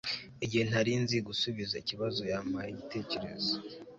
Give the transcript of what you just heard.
igihe ntari nzi gusubiza ikibazo, yampaye igitekerezo